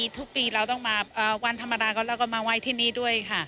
ทุกปีเราต้องมาวันธรรมดาก็เราก็มาไว้ที่นี่ด้วยค่ะ